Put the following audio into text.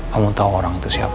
kamu tahu orang itu siapa